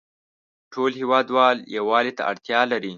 ټول هیوادوال یووالې ته اړتیا لری